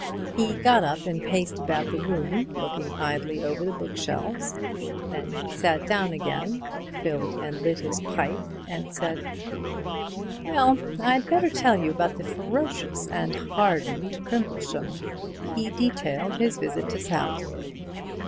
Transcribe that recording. He got up and paced about the room, looking idly over the bookshelves. Then he sat down again, filled and lit his pipe, and said: "Well, I'd better tell you about the ferocious and hardened Crimplesham." He detailed his visit to Salisbury.